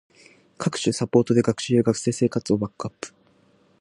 各種サポートで学習や学生生活をバックアップ